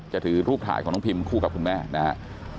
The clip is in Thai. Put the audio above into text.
ถือรูปถ่ายของน้องพิมคู่กับคุณแม่นะครับ